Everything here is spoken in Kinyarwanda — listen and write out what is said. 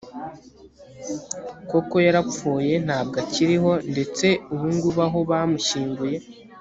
koko yarapfuye ntabwo akiriho ndetse ubungubu aho bamushyinguye